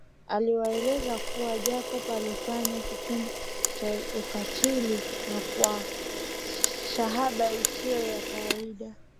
Aliwaeleza kuwa Jacob alifanya kitendo cha kikatili na kwa shabaha isiyo ya kawaida